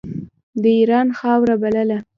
د اېران خاوره بلله.